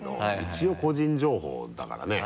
一応個人情報だからね。